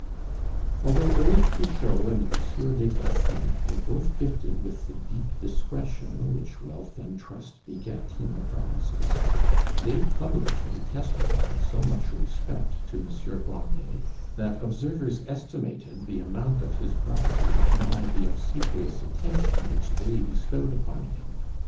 Although old Cruchot and Monsieur des Grassins were both gifted with the deep discretion which wealth and trust beget in the provinces, they publicly testified so much respect to Monsieur Grandet that observers estimated the amount of his property by the obsequious attention which they bestowed upon him.